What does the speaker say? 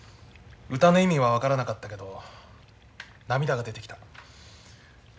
歌の意味は分からなかったけど涙が出てきた。